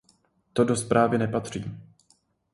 To do zprávy nepatří.